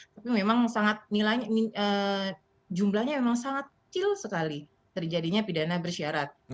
tapi memang jumlahnya memang sangat kecil sekali terjadinya pidana bersyarat